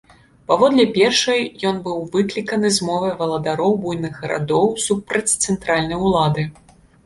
Паводле першай, ён быў выкліканы змовай валадароў буйных гарадоў супраць цэнтральнай улады.